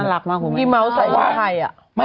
น่ารักมากว่า